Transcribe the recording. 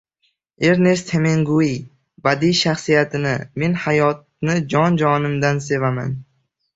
Ernest Heminguey adabiy shaxsiyatini men hayotni jon-jonimdan sevaman